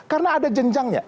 karena ada jenjangnya